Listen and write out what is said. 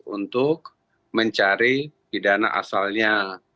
untuk mencari pidana asalnya